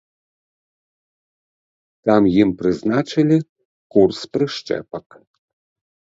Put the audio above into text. Там ім прызначылі курс прышчэпак.